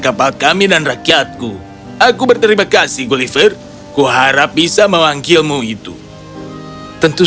kapal kami dan rakyatku aku berterima kasih gulliver kuharap bisa memanggilmu itu tentu